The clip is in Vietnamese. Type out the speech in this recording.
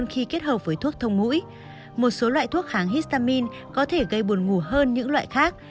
thuốc kháng histamine có thể kết hợp với thuốc thông mũi một số loại thuốc kháng histamine có thể gây buồn ngủ hơn những loại khác